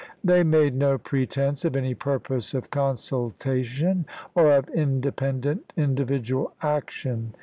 They made no pretense of any purpose of consultation or of inde pendent individual action.